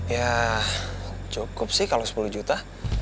ya cukup sih kalau sepuluh juta